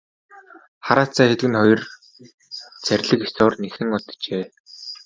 Хараацай хэдгэнэ хоёр зарлиг ёсоор нисэн оджээ.